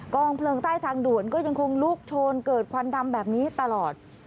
องเพลิงใต้ทางด่วนก็ยังคงลุกโชนเกิดควันดำแบบนี้ตลอด